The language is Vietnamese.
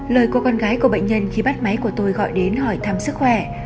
lời cô con gái của bệnh nhân khi bắt máy của tôi gọi đến hỏi thăm sức khỏe